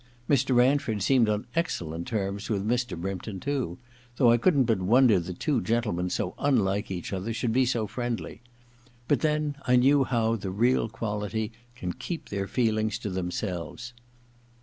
Mr. Ranford seemed on excellent terms with Mr. Brympton too ; though I couldn't but wonder that two gentlemen so unlike each other should be so friendly. But then I knew how the real quality can keep their feelings to themselves.